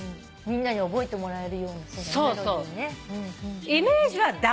みんなに覚えてもらえるようなメロディーね。